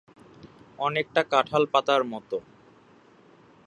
অনেকটা কাঁঠাল পাতার মতো।